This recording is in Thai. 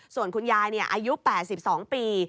ส่วนคุณยายอายุ๘๒ปี